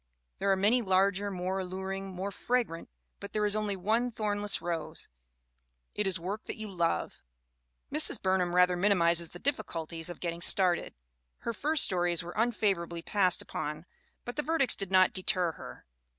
There are many larger, more alluring, more fragrant, but there is only one thornless rose; it is work that you love." Mrs. Burnham rather minimizes the difficulties of getting started. Her first stories were unfavorably passed upon but the verdicts did not deter her.